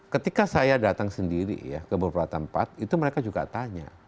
ketika saya datang sendiri ya ke beberapa tempat itu mereka juga tanya